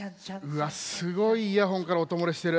うわすごいイヤホンからおともれしてる。